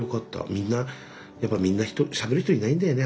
みんなやっぱみんなしゃべる人いないんだよね